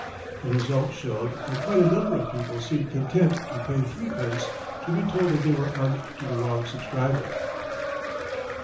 The result showed that quite a number of people seemed content to pay threepence to be told that they were on to the wrong subscriber.